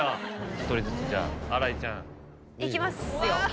１人ずつじゃあ新井ちゃん。いきますよ。